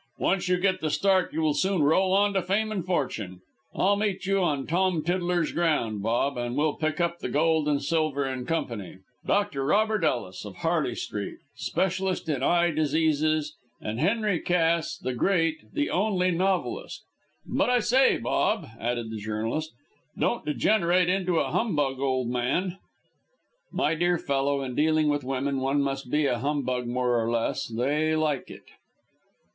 "Once you get the start you will soon roll on to fame and fortune. I'll meet you on Tom Tiddler's ground, Bob, and we'll pick up the gold and silver in company. Dr. Robert Ellis, of Harley Street, specialist in eye diseases, and Henry Cass, the great, the only novelist! But I say, Bob," added the journalist, "don't degenerate into a humbug, old man." "My dear fellow, in dealing with women, one must be a humbug more or less. They like it."